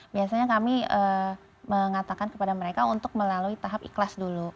biasanya kami mengatakan kepada mereka untuk melalui tahap ikhlas dulu